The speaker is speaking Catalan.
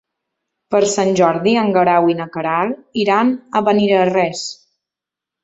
Per Sant Jordi en Guerau i na Queralt iran a Beniarrés.